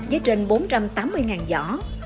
với trên bốn trăm tám mươi giỏ